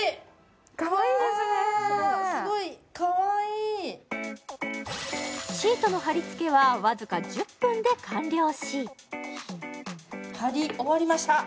かわいいですねすごいかわいいシートの貼り付けはわずか１０分で完了し貼り終わりました